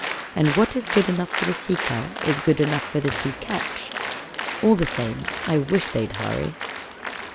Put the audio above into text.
And what is good enough for the Sea Cow is good enough for the Sea Catch. All the same, I wish they'd hurry."